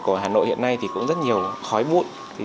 của hà nội hiện nay thì cũng rất nhiều khói bụi